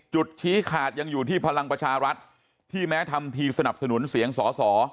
ชี้ขาดยังอยู่ที่พลังประชารัฐที่แม้ทำทีสนับสนุนเสียงสอสอ